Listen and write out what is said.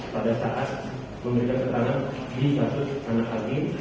pada saat memberikan ketangan di kasus anak anak ini